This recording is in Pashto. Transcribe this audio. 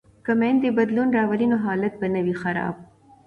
که میندې بدلون راولي نو حالت به نه وي خراب.